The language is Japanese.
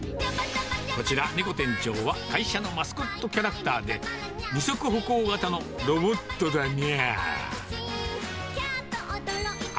こちら、ネコ店長は、会社のマスコットキャラクターで、二足歩行型のロボットだにゃあ。